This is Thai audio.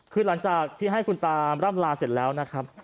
คือหลังจากที่ให้คุณตามร่ำลาเสร็จแล้วนะครับ